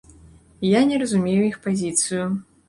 Я не разумею іх пазіцыю.